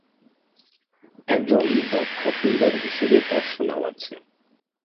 একজন দক্ষ ফিল্ডার হিসেবে তার সুনাম আছে।